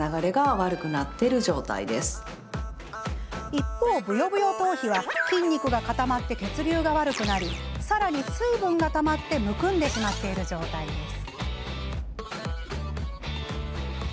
一方、ブヨブヨ頭皮は筋肉が固まって血流が悪くなりさらに水分がたまってむくんでしまっている状態です。